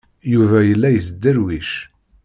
Yuba yella yesderwic.